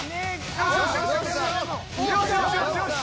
よしよしよし。